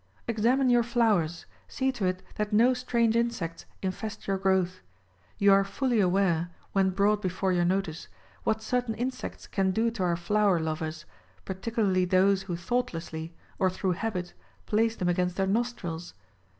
Examine your flowers. See to it that no strange insects infest your growth. You are fully aware — ^v/hen brought before your notice — what certain insects can do to our flower lovers, particularly those who thoughtlessly — or through habit — place them again&t their nostrils?